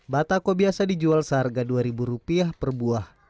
batako biasa dijual seharga dua ribu rupiah per buah